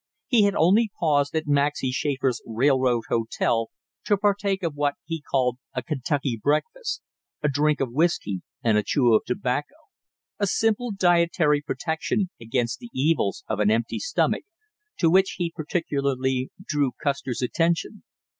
He had only paused at Maxy Schaffer's Railroad Hotel to partake of what he called a Kentucky breakfast a drink of whisky and a chew of tobacco a simple dietary protection against the evils of an empty stomach, to which he particularly drew Custer's attention.